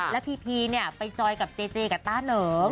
แล้วพีพีเนี่ยไปจอยกับเจเจกับต้าเหนิม